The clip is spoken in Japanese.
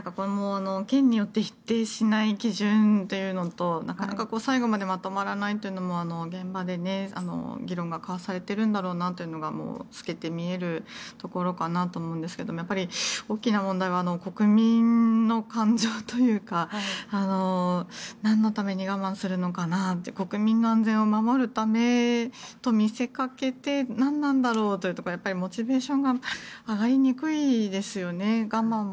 県によって一定しない基準というのとなかなか最後までまとまらないというのも現場で議論が交わされているんだろうなというのが透けて見えるところかなと思うんですがやっぱり大きな問題は国民の感情というかなんのために我慢するのかなという国民の安全を守るためと見せかけて何なんだろうというところはモチベーションが上がりにくいですよね。